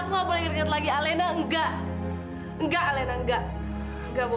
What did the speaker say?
aku gak boleh nyat nyat lagi enggak enggak alina enggak